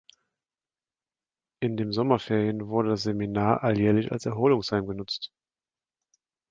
In dem Sommerferien wurde das Seminar alljährlich als Erholungsheim genutzt.